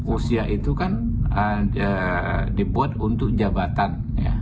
usia itu kan dibuat untuk jabatan